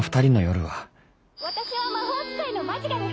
「私は魔法使いのマジガル。